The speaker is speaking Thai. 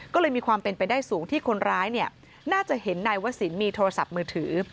ก็เลยมีความเป็นไปได้สูงที่คนร้ายน่าจะเห็นนายวศิลปมีโทรศัพท์มือถือ